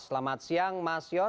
selamat siang mas yos